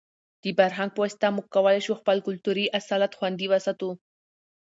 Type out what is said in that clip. د فرهنګ په واسطه موږ کولای شو خپل کلتوري اصالت خوندي وساتو.